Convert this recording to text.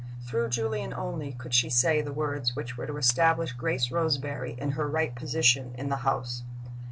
Through Julian only could she say the words which were to establish Grace Roseberry in her right position in the house.